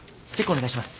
お願いします。